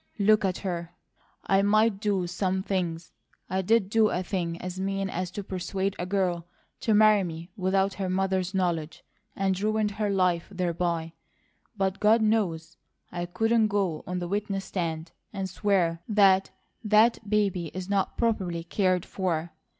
Look at her! I might do some things! I did do a thing as mean as to persuade a girl to marry me without her mother's knowledge, and ruined her life thereby, but God knows I couldn't go on the witness stand and swear that that baby is not properly cared for!